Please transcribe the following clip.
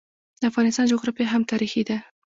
د افغانستان جغرافیه هم تاریخي ده.